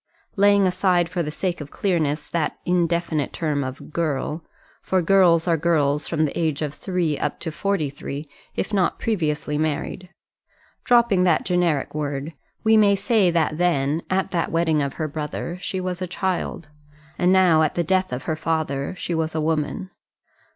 Laying aside for the sake of clearness that indefinite term of girl for girls are girls from the age of three up to forty three, if not previously married dropping that generic word, we may say that then, at that wedding of her brother, she was a child; and now, at the death of her father, she was a woman.